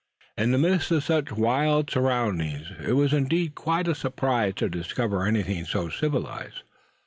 In the midst of such wild surroundings it was indeed quite a surprise to discover anything so civilized.